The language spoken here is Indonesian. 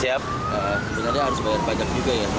siap sebenarnya harus bayar pajak juga ya